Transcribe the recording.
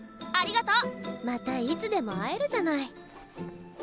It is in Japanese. またいつでも会えるじゃない。